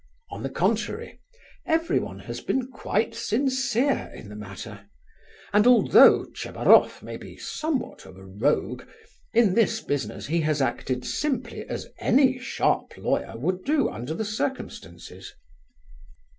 On the contrary, everyone has been quite sincere in the matter, and although Tchebaroff may be somewhat of a rogue, in this business he has acted simply as any sharp lawyer would do under the circumstances.